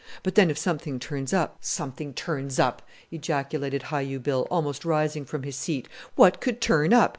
But then if something turns up " "Something turns up!" ejaculated Hi u Bill, almost rising from his seat. "What could turn up?